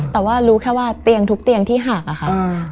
แต่ว่ารู้แค่ว่าเตียงทุกเตียงที่หักอะค่ะ